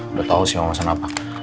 udah tau sih mau masukan apa